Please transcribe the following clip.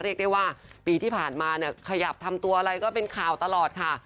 เรียกได้ว่าปีที่ผ่านมาเนี่ยขยับทำตัวอะไรก็เป็นข่าวตลอดค่ะ